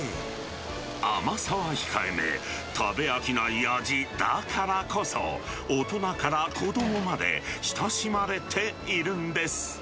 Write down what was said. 甘さは控えめ、食べ飽きない味だからこそ、大人から子どもまで、親しまれているんです。